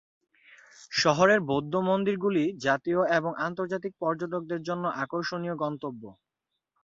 শহরের বৌদ্ধ মন্দিরগুলি জাতীয় এবং আন্তর্জাতিক পর্যটকদের জন্য আকর্ষণীয় গন্তব্য।